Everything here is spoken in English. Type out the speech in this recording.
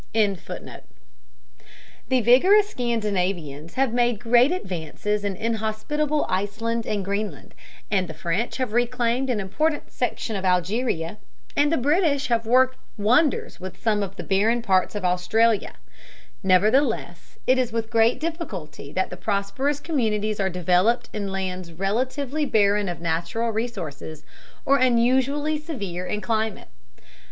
] The vigorous Scandinavians have made great advances in inhospitable Iceland and Greenland, the French have reclaimed an important section of Algeria, and the British have worked wonders with some of the barren parts of Australia; nevertheless, it is with great difficulty that prosperous communities are developed in lands relatively barren of natural resources, or unusually severe in climate.